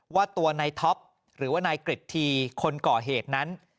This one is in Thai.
ว่าตัวนายท็อปหรือว่านายกริจทีคนก่อเหตุนั้น